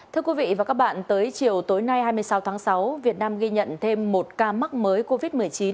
thưa quý vị và các bạn tới chiều tối nay hai mươi sáu tháng sáu việt nam ghi nhận thêm một ca mắc mới covid một mươi chín